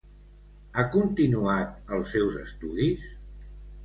Ha continuat els seus estudis?